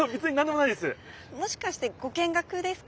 もしかしてご見学ですか？